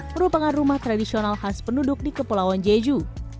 merupakan rumah tradisional khas penduduk di kepulauan jeju